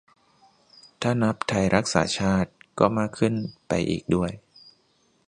ถ้านับไทยรักษาชาติก็มากขึ้นไปอีกด้วย